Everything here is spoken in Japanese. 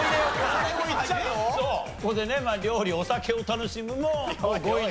ここでね料理・お酒を楽しむも５位に入った。